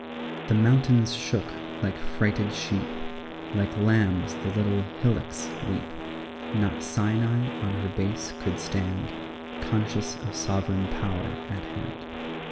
3 The mountains shook like frighted sheep, Like lambs the little hillocks leap; Not Sinai on her base could stand, Conscious of sovereign power at hand.